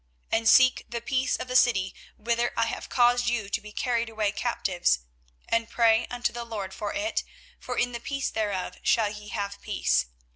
24:029:007 And seek the peace of the city whither I have caused you to be carried away captives, and pray unto the LORD for it: for in the peace thereof shall ye have peace.